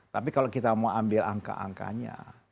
tapi kalau kita mau ambil angka angkanya